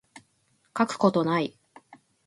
書くことない